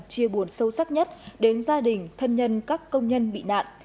chia buồn sâu sắc nhất đến gia đình thân nhân các công nhân bị nạn